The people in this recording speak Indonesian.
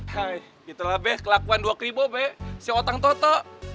hai itulah be kelakuan dua keribu be si otang toto